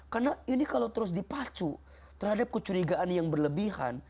karena ini kalau terus dipacu terhadap kecurigaan yang berlebihan